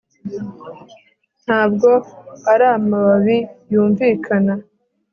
Ntabwo ari amababi yumvikana